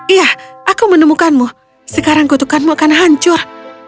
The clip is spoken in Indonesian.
iya aku menemukanmu sekarang kutukanmu akan hancur